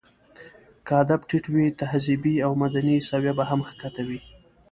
که ادب ټيت وي، تهذيبي او مدني سويه به هم ښکته وي.